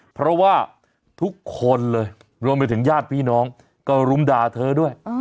เพราะว่าทุกคนเลยรวมไปถึงญาติพี่น้องก็รุมด่าเธอด้วย